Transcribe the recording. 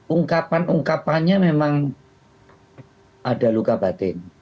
ungkapan ungkapannya memang ada luka batin